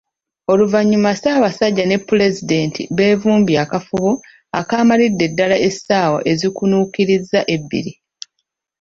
Oluvannyuma Ssaabasajja ne Pulezidenti beevumbye akafubo akaamalidde ddala essaawa ezikunuukiriza ebbiri.